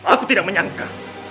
aku tidak menyangka